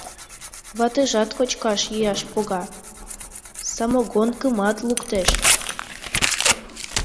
Ватыжат кочкаш-йӱаш пога, самогонкымат луктеш.